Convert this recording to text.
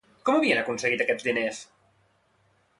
Com havien aconseguit aquests diners?